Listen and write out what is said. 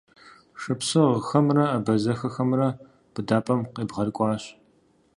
Шапсыгъхэмрэ абазэхэхэмрэ быдапӀэм къебгъэрыкӀуащ.